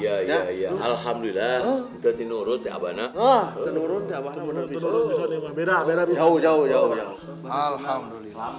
ya ya ya alhamdulillah kita di nurut ya bana ah nurutnya bener bener jauh jauh alhamdulillah